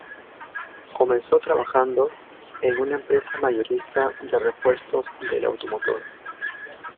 Comenzó trabajando en una empresa mayorista de repuestos del automotor.